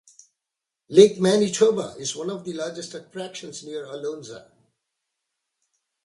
Lake Manitoba is one of the largest attractions near Alonsa.